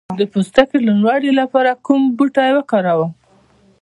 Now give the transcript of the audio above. د پوستکي روڼوالي لپاره کوم بوټی وکاروم؟